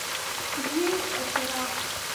ژیړ څراغ: